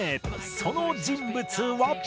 その人物は